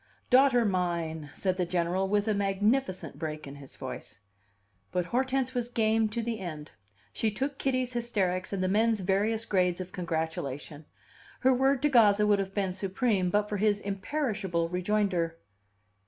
"Daughter mine!" said the General, with a magnificent break in his voice. But Hortense was game to the end. She took Kitty's hysterics and the men's various grades of congratulation; her word to Gazza would have been supreme, but for his imperishable rejoinder.